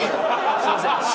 すいません。